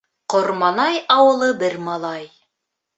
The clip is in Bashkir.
Ҡорманай ауылы бер малай.